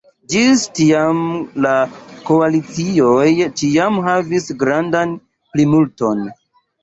Ĝis tiam la koalicioj ĉiam havis grandan plimulton.